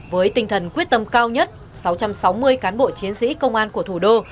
với tinh thần quyết tâm cao nhất sáu trăm sáu mươi cán bộ chiến sĩ công an của thủ đô